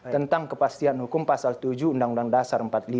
tentang kepastian hukum pasal tujuh undang undang dasar empat puluh lima